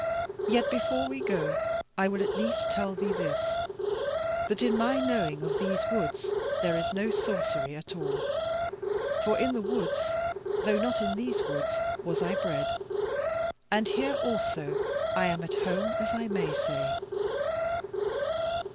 Yet before we go, I will at least tell thee this, that in my knowing of these woods, there is no sorcery at all; for in the woods, though not in these woods, was I bred; and here also I am at home, as I may say."